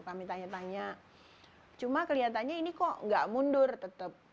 kami tanya tanya cuma kelihatannya ini kok nggak mundur tetap